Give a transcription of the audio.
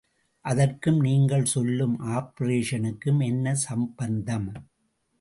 அதற்கும் நீங்கள் சொல்லும் ஆப்பரேஷனுக்கும் என்ன சம்பந்தம்?